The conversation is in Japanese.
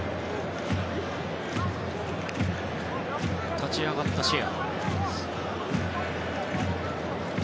立ち上がったシェア。